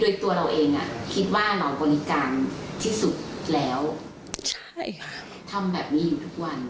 โดยตัวเราเองคิดว่าเราบริการที่สุดแล้วใช่ทำแบบนี้อยู่ทุกวัน